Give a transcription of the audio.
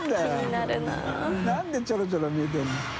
なんでちょろちょろ見えてるんだ